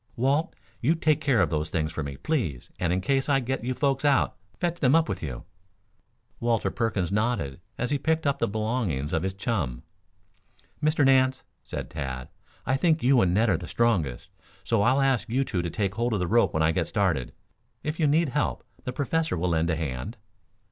"Walt, you take care of those things for me, please, and in case I get you folks out, fetch them up with you." Walter Perkins nodded as he picked up the belongings of his chum. "Mr. Nance," said Tad, "I think you and Ned are the strongest, so I'll ask you two to take hold of the rope when I get started. If you need help the Professor will lend a hand."